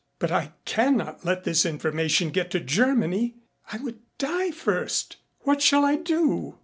But I cannot let this information get to Germany. I would die first. What shall I do?"